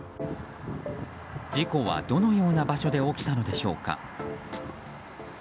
事故は、どのような場所で起きたのでしょうか。